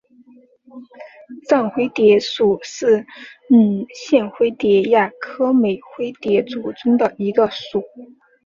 绽灰蝶属是线灰蝶亚科美灰蝶族中的一个属。